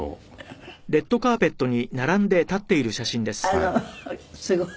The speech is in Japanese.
あのすごい。